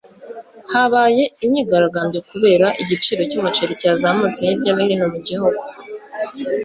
habaye imyigaragambyo kubera igiciro cy'umuceri cyazamutse hirya no hino mu gihugu